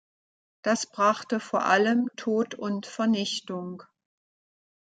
Das brachte vor allem Tod und Vernichtung.